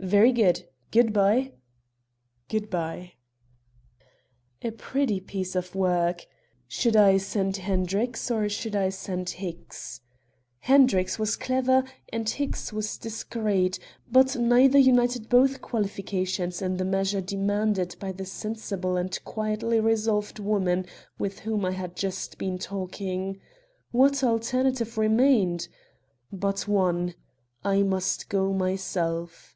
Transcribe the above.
"Very good. Good by." "Good by." A pretty piece of work! Should I send Hendricks or should I send Hicks? Hendricks was clever and Hicks discreet, but neither united both qualifications in the measure demanded by the sensible and quietly resolved woman with whom I had just been talking. What alternative remained? But one; I must go myself.